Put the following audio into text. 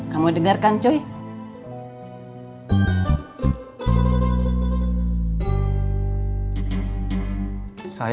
kamu dengarkan cuy